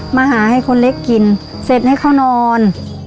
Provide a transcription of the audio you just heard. มาหาให้คนเล็กกินเสร็จให้เขานอน